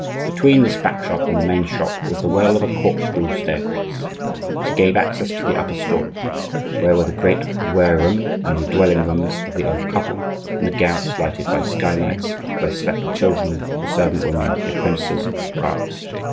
Between this back shop and the main shop was the well of a corkscrew staircase which gave access to the upper story, where were the great ware room and the dwelling rooms of the old couple, and the garrets lighted by skylights, where slept the children, the servant woman, the apprentices, and the clerks.